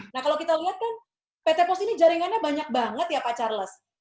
nah kalau kita lihat kan pt pos ini jaringannya banyak banget ya pak charles